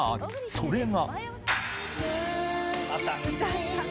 それが。